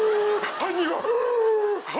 犯人は！